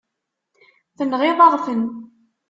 Tenɣiḍ-aɣ-ten.